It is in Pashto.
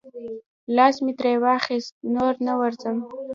لاس مې ترې واخیست، نور نه ورځم.